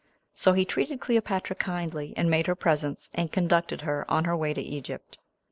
So he treated Cleopatra kindly, and made her presents, and conducted her on her way to Egypt.